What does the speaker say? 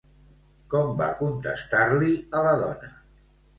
Com va contestar-li a la dona?